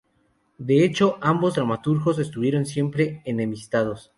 De hecho, ambos dramaturgos estuvieron siempre enemistados.